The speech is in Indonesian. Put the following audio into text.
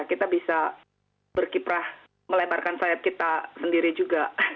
kita bisa berkiprah melebarkan sayap kita sendiri juga